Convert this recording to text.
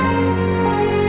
madah memangaltik kau